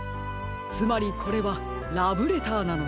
つまりこれはラブレターなのです。